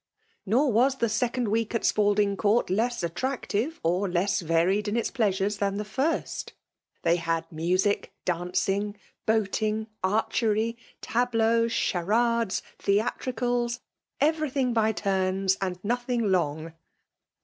Nor was the second week at Spalding Court less attractive or less varied in its pleasures than the first. They had music, dancing, boating, archery, tableaux, charades, theatri cals— " everything by turns, and nothing long."